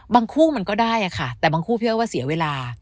คู่มันก็ได้ค่ะแต่บางคู่พี่อ้อยว่าเสียเวลา